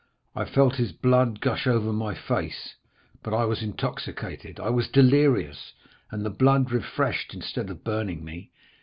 I felt his blood gush over my face, but I was intoxicated, I was delirious, and the blood refreshed, instead of burning me.